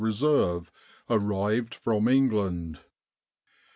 Reserve arrived from England.